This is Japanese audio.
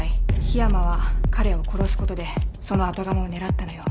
樋山は彼を殺すことでその後釜を狙ったのよ。